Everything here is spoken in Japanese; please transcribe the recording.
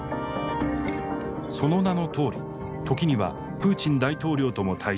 その名のとおり時にはプーチン大統領とも対峙。